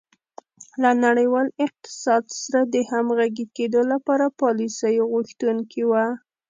له نړیوال اقتصاد سره د همغږي کېدو لپاره پالیسیو غوښتونکې وه.